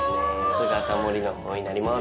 姿盛りのほうになります。